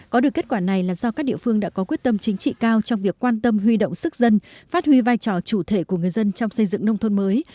có được kết quả này là do các địa phương đã có quyết tâm chính trị cao trong việc quan tâm huy động sức dân phát huy vai trò chủ thể của người dân trong xây dựng nông thôn mới